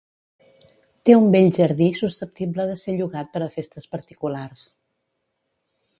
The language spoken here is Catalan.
Té un bell jardí susceptible de ser llogat per a festes particulars.